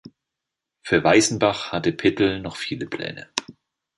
Für Weissenbach hatte Pittel noch viele Pläne.